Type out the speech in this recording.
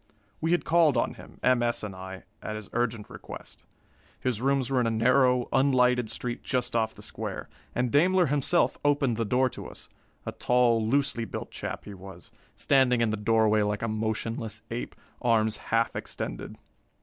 We had called on him, M. S. and I, at his urgent request. His rooms were in a narrow, unlighted street just off the square, and Daimler himself opened the door to us. A tall, loosely built chap he was, standing in the doorway like a motionless ape, arms half extended.